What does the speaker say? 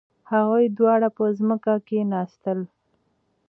هغوی دواړه په ځمکه کښیناستل.